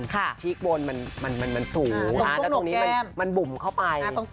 ชีกบนมันสูงตรงช่วงหนกแก้มมันบุ่มเข้าไป